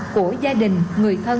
của gia đình người thân